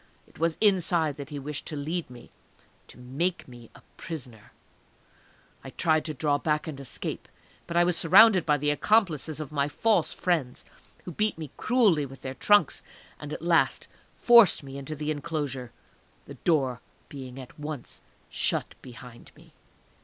It was inside that he wished to lead me, to make me a prisoner!. I tried to draw back and escape, but I was surrounded by the accomplices of my false friend, who beat me cruelly with their trunks, and at last forced me into the enclosure the door being at once shut behind me.